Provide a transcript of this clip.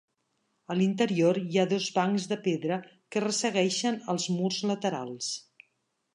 A l’interior hi ha dos bancs de pedra que ressegueixen els murs laterals.